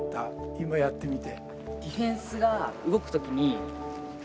今やってみて。